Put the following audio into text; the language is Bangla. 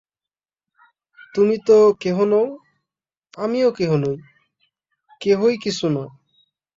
তুমি তো কেহ নও, আমিও কেহ নই, কেহই কিছু নয়।